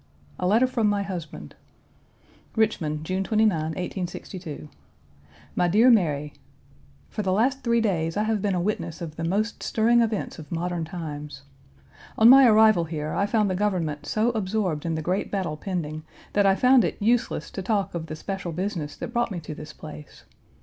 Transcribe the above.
A letter from my husband: RICHMOND, June 29, 1862. MY DEAR MARY: For the last three days I have been a witness of the most stirring events of modern times. On my arrival here, I found the government so absorbed in the great battle pending, that I found it useless to talk of the special business that brought me to this place.